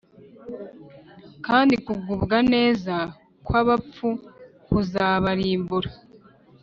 Kandi kugubwa neza kw’abapfu kuzabarimbura